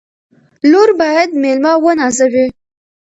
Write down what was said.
لور باید مېلمه ونازوي.